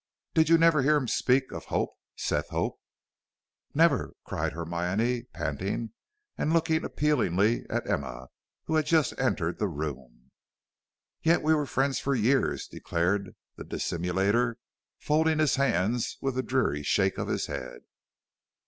"Did you never hear him speak of Hope, Seth Hope?" "Never," cried Hermione, panting, and looking appealingly at Emma, who had just entered the room. "Yet we were friends for years," declared the dissimulator, folding his hands with a dreary shake of his head.